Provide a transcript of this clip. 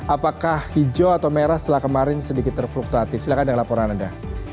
apakah hijau atau merah setelah kemarin sedikit terfluktuatif silahkan dengan laporan anda